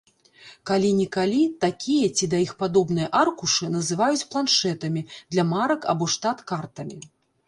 Калі-нікалі такія ці да іх падобныя аркушы называюць планшэтамі для марак або штат-картамі.